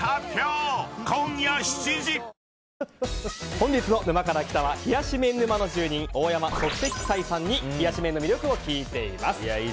本日の「沼から来た。」は冷やし麺沼の住人大山即席斎さんに冷やし麺の魅力を聞いています。